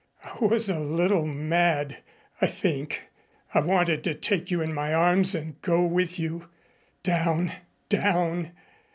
I was a little mad, I think. I wanted to take you in my arms and go with you down down.